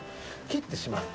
切ってしまう。